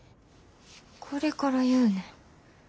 これから言うねん。